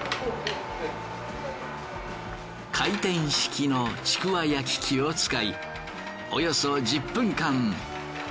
回転式のちくわ焼き機を使いおよそ１０分間。